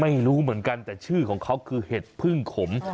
ไม่รู้เหมือนกันแต่ชื่อของเขาคือเห็ดพึ่งขม